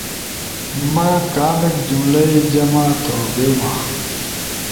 ما کامیک جملہ ئی جمع تھو بئی ما؟